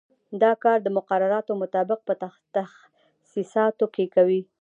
دا کار د مقرراتو مطابق په تخصیصاتو کې کوي.